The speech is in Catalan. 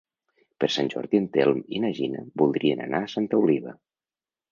Per Sant Jordi en Telm i na Gina voldrien anar a Santa Oliva.